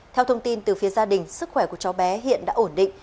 theo thông tin từ phía gia đình sức khỏe của cháu bé hiện đã ổn định